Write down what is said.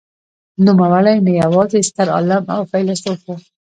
نوموړی نه یوازې ستر عالم او فیلسوف و.